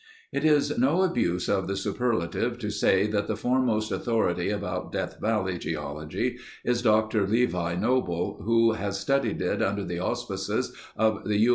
It is no abuse of the superlative to say that the foremost authority upon Death Valley geology is Doctor Levi Noble, who has studied it under the auspices of the U.